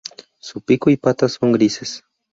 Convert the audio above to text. Su pico y patas son grises.